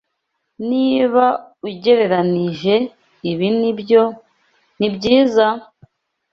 Niba ugereranije ibi nibyo, nibyiza?